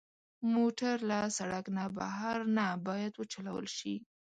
موټر له سړک نه بهر نه باید وچلول شي.